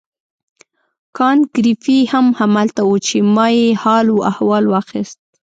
کانت ګریفي هم همالته وو چې ما یې حال و احوال واخیست.